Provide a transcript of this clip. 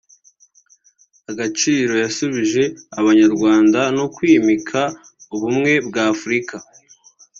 agaciro yasubije Abanyarwanda no kwimika ubumwe bwa Afurika